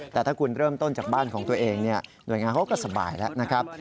แต่ถ้าคุณเริ่มต้นจากบ้านของตัวเองหน่วยงานเขาก็สบายแล้วนะครับ